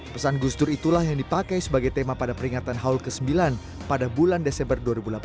pesan gus dur itulah yang dipakai sebagai tema pada peringatan haul ke sembilan pada bulan desember dua ribu delapan belas